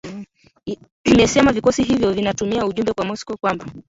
imesema vikosi hivyo vinatuma ujumbe kwa Moscow kwamba